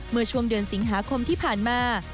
เมื่อช่วงเดือนสิงหาคมที่ผ่านมา